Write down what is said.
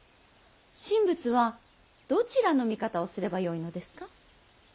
神仏はどちらの味方をすればよいのですか。